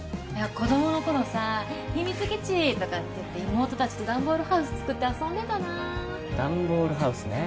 子供の頃さ「秘密基地」とかって言って妹達と段ボールハウス作って遊んでたな段ボールハウスね